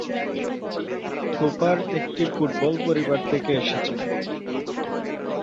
Cooper একটি football পরিবার থেকে এসেছেন।